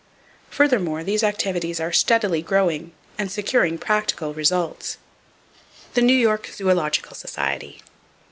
Furthermore, these activities are steadily growing, and securing practical results. The New York Zoological Society.